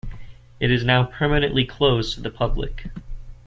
It is now permanently closed to the public.